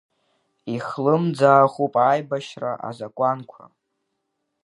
Ихлымӡаахуп аибашьра азакәанқәа.